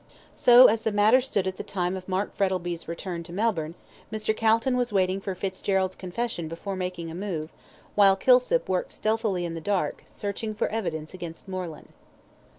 So, as the matter stood at the time of Mark Frettlby's return to Melbourne, Mr. Calton was waiting for Fitzgerald's confession before making a move, while Kilsip worked stealthily in the dark, searching for evidence against Moreland.